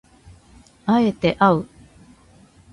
敢えてあう